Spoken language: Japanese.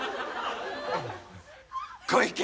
小池。